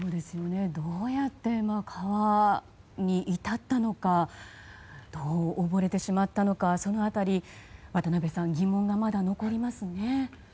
どうやって川に至ったのか溺れてしまったのかその辺り、渡辺さん疑問がまだ残りますね。